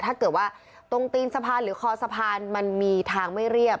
ถ้าเกิดว่าตรงตีนสะพานหรือคอสะพานมันมีทางไม่เรียบ